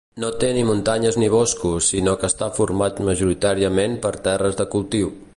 No té ni muntanyes ni boscos, sinó que està format majoritàriament per terres de cultiu.